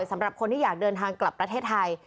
สำหรับคนที่อยากเดินทางกลับประเทศไทย